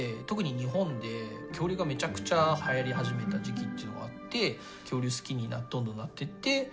特に日本で恐竜がめちゃくちゃはやり始めた時期っていうのがあって恐竜好きにどんどんなってって。